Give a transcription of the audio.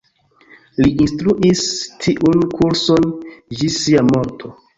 Li instruis tiun kurson ĝis sia morto.